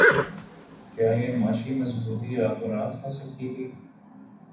کیا یہ معاشی مضبوطی راتوں رات حاصل کی گئی